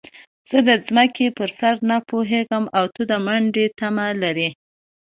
زه د ځمکې پر سر نه پوهېږم او ته د منډې تمه لرې.